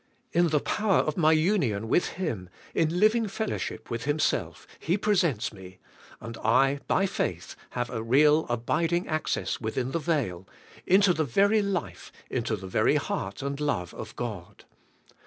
In the power of my union with Him, in living fel lowship with Himself, He presents me, and I, by 'faith, have a real, abiding access within the veil, into the very life, into the very heart and love of God.